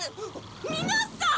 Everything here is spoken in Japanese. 皆さん！？